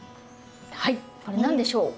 はいこれ何でしょう？